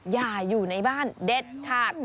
อย่าอยู่ในบ้านเด็ดขาด